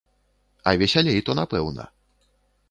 А весялей то напэўна.